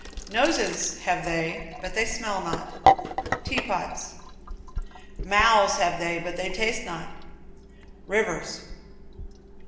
Noses have they, but they smell not tea pots. Mouths have they, but they taste not rivers.